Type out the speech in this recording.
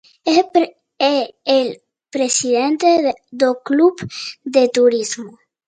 Es el Presidente del club de Turismo.